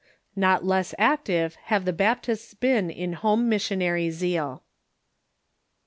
"* Not less active have the Baptists been in Home Missionary zeal.